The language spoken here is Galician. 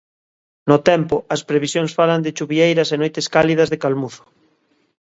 No tempo, as previsións falan de chuvieiras e noites cálidas de calmuzo.